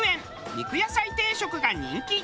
肉野菜定食が人気。